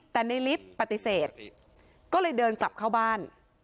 แต่ในลิฟต์ปฏิเสธก็เลยเดินกลับเข้าบ้าน